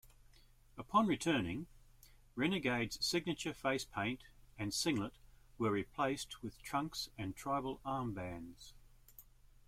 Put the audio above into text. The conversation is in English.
Upon returning, Renegade's signature facepaint and singlet were replaced with trunks and tribal armbands.